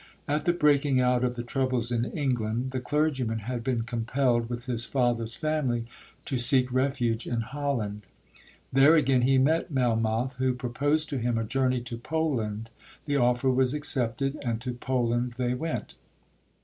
At the breaking out of the troubles in England, the clergyman had been compelled, with his father's family, to seek refuge in Holland. There again he met Melmoth, who proposed to him a journey to Poland—the offer was accepted, and to Poland they went.